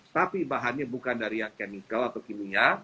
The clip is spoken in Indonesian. tapi bahannya bukan dari yang chemical atau kimia